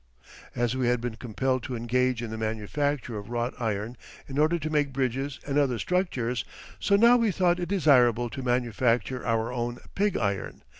As we had been compelled to engage in the manufacture of wrought iron in order to make bridges and other structures, so now we thought it desirable to manufacture our own pig iron.